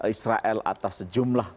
israel atas sejumlah